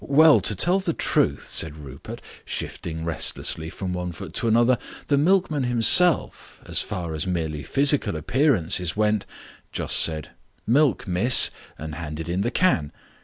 "Well, to tell the truth," said Rupert, shifting restlessly from one foot to another, "the milkman himself, as far as merely physical appearances went, just said, 'Milk, Miss,' and handed in the can.